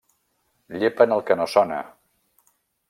Llepen el que no sona.